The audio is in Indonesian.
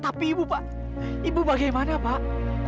tapi ibu pak ibu bagaimana pak